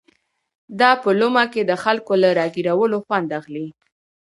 دا په لومه کې د خلکو له را ګيرولو خوند اخلي.